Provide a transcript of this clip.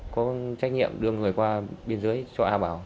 có trách nhiệm đưa người qua biên giới cho a bảo